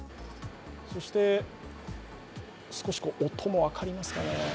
そして少し音も分かりますかね